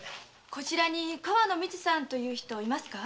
こちらに川野みつさんという人いますか？